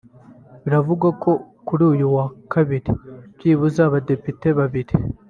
Biravugwa ko kuri uyu wa kabiri byibuze abadepite babiri